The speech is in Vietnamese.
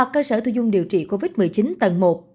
và bệnh viện duy trì covid một mươi chín tầng một